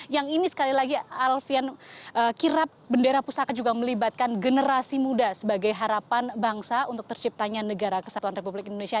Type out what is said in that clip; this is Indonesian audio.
yang ini sekali lagi alfian kirap bendera pusaka juga melibatkan generasi muda sebagai harapan bangsa untuk terciptanya negara kesatuan republik indonesia